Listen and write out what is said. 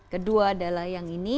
kedua adalah yang ini